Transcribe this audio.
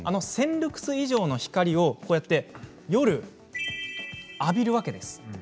ルクス以上の光を夜、浴びるわけです。